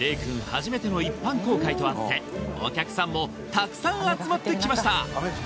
初めての一般公開とあってお客さんもたくさん集まってきました